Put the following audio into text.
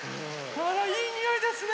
あらいいにおいですね。